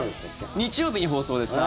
日曜日に放送ですね。